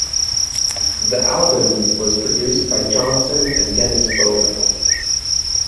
The album was produced by Johnson and Dennis Bovell.